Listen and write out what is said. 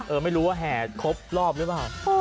ไม่รู้ว่าแห่ครบรอบหรือเปล่า